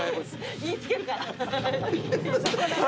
言い付けるから。